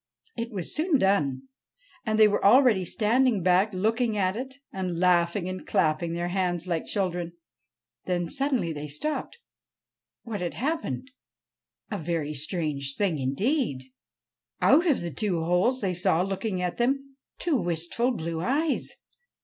It was soon done, and they were already standing back looking at it, and laughing and clapping their hands like children. Then suddenly they stopped. What had happened ? A very strange thing indeed I Out of the two holes they saw looking at them two wistful blue eyes.